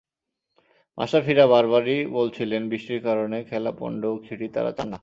মাশরাফিরা বারবারই বলছিলেন, বৃষ্টির কারণে খেলা পণ্ড হোক সেটি তাঁরা চান না।